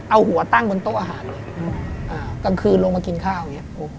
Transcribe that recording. เอาหัวตั้งบนโต๊ะอาหารเลยกลางคืนลงมากินข้าวอย่างนี้